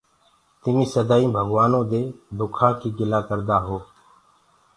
تمي سڌئينٚ ڀگوآنو دي دُکآ ڪي گِلآ ڪردآ هو۔